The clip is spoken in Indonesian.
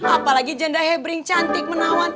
apalagi janda hebring cantik menawan